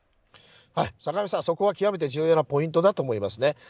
坂上さん、極めて重要なポイントだと思います。